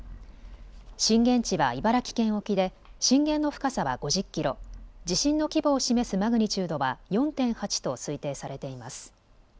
震源地は茨城県沖で震源の深さは５０キロ、地震の規模を示すマグニチュードは４．８と推定されています。